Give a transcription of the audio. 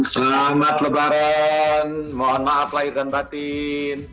selamat lebaran mohon maaf lahir dan batin